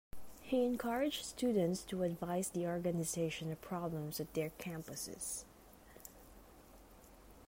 He encouraged students to advise the organization of problems at their campuses.